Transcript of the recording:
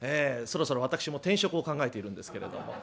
そろそろ私も転職を考えているんですけれども。